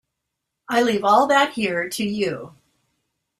I leave all that here to you.